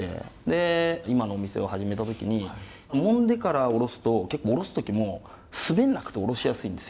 で今のお店を始めた時に揉んでからおろすとおろす時も滑んなくておろしやすいんですよ。